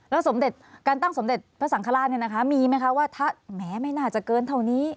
สมเด็จการตั้งสมเด็จพระสังฆราชเนี่ยนะคะมีไหมคะว่าถ้าแหมไม่น่าจะเกินเท่านี้